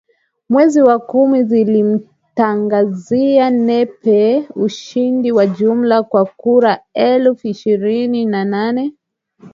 mwezi wa kumi zilimtangazia Nape ushindi wa jumla wa kura elfu ishirini na nane